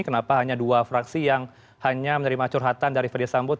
kenapa hanya dua fraksi yang hanya menerima curhatan dari fede sambut